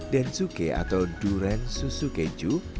den suke atau durian susu keju